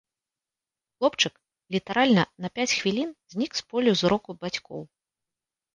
Хлопчык літаральна на пяць хвілін знік з поля зроку бацькоў.